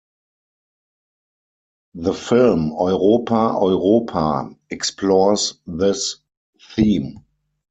The film "Europa, Europa" explores this theme.